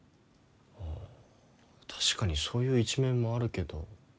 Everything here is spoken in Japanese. ああ確かにそういう一面もあるけど。